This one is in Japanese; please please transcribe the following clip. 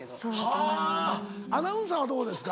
はぁアナウンサーはどうですか？